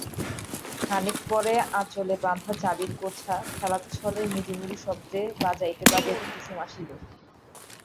খানিক পরে আঁচলে বাঁধা চাবির গোছা খেলাচ্ছলে মৃদু মৃদু শব্দে বাজাইতে বাজাইতে কুসুম আসিল।